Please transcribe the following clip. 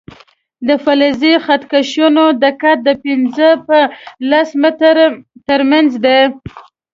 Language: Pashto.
د فلزي خط کشونو دقت د پنځه په لس ملي متره تر منځ دی.